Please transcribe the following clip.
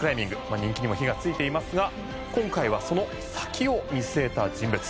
人気にも火がついていますが今回はその先を見据えた人物。